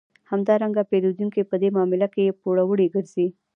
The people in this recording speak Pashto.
همدارنګه پېرودونکی په دې معامله کې پوروړی ګرځي